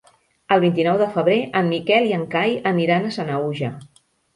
El vint-i-nou de febrer en Miquel i en Cai aniran a Sanaüja.